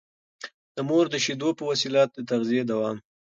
د مور د شېدو په وسيله د تغذيې دوام